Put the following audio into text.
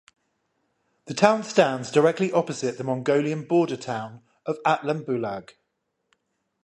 The town stands directly opposite the Mongolian border town of Altanbulag.